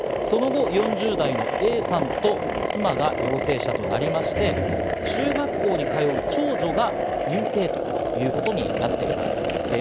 その後４０代のＡさんと妻が陽性者となりまして中学校に通う長女が陰性ということになっています。